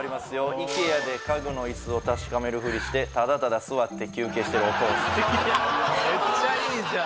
ＩＫＥＡで家具の椅子を確かめるフリしてただただ座って休憩してるお父さん・